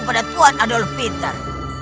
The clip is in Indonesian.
pada tuhan adolf peter